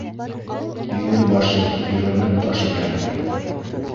Иҙел башы, Ирәмәл таш икән.